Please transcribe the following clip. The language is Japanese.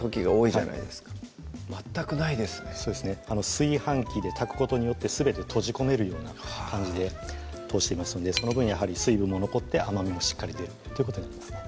炊飯器で炊くことによってすべて閉じ込めるような感じで通していますのでその分やはり水分も残って甘みもしっかり出るということになります